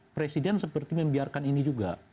presiden seperti membiarkan ini juga